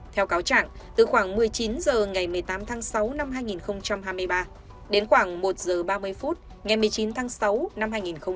theo cáo trạng từ khoảng một mươi chín h ngày một mươi tám tháng sáu năm hai nghìn hai mươi ba đến khoảng một giờ ba mươi phút ngày một mươi chín tháng sáu năm hai nghìn hai mươi ba